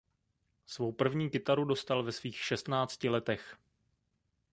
Svou první kytaru dostal ve svých šestnácti letech.